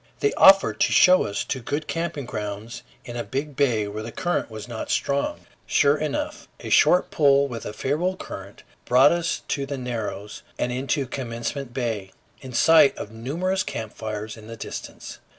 They offered to show us to good camping grounds in a big bay where the current was not strong. Sure enough, a short pull with a favorable current brought us to the Narrows and into Commencement Bay, in sight of numerous camp fires in the distance.